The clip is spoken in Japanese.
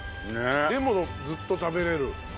でもずっと食べられる。